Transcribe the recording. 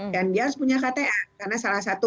dan dia harus punya kta karena salah satu